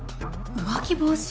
浮気防止？